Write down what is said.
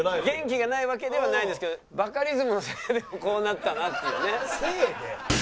元気がないわけではないんですけどバカリズムのせいでこうなったなっていうね。